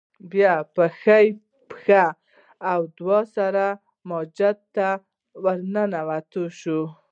بيا په ښۍ پښې او دعا سره جومات ته ور دننه شو